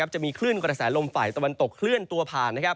จะมีคลื่นกระแสลมฝ่ายตะวันตกเคลื่อนตัวผ่าน